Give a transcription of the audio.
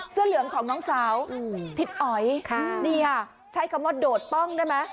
เสื้อเหลืองของน้องสาวทิศอ๋อยนี่ค่ะใช้คำว่าโดดป้องได้ไหม